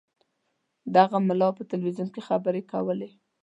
دغه ملا په تلویزیون کې خبرې کولې.